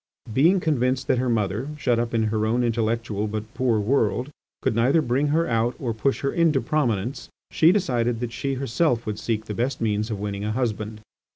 Being convinced that her mother, shut up in her own intellectual but poor world, could neither bring her out or push her into prominence, she decided that she herself would seek the best means of winning a husband.